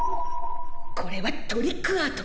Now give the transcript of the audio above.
これはトリックアート。